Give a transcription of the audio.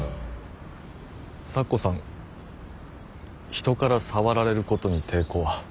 咲子さん人から触られることに抵抗は？